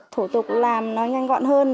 thủ tục làm nó nhanh gọn